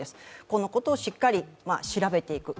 このことをしっかり調べていく。